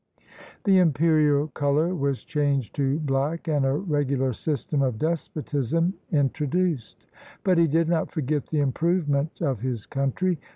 The imperial color was changed to black, and a regular system of despotism introduced. But he did not forget the improvement of his country.